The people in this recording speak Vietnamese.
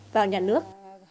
vào nhà nước